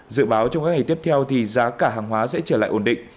dự báo trong các ngày tiếp theo giá cả hàng hóa sẽ trở lại ổn định